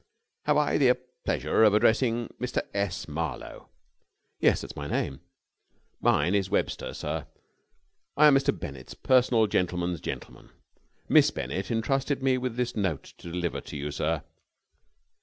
"Have I the pleasure of addressing Mr. S. Marlowe?" "Yes, that's my name." "Mine is Webster, sir, I am Mr. Bennett's personal gentleman's gentleman. Miss Bennett entrusted me with this note to deliver to you, sir."